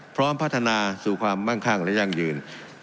พร้อมพัฒนาสู่ความมั่งคั่งและยั่งยืน